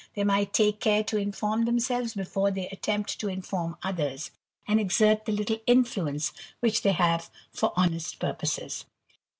They might take care to inform themselves before they attempt to inform others, and exert the little influence which they have for honest purposes.